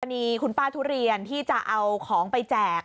อันนี้คุณป้าทุเรียนที่จะเอาของไปแจก